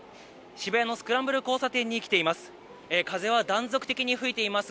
渋谷のスクランブル交差点に来ています。